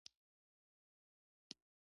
د سوډیم د فلز ټوټه په پنس باندې ونیسئ.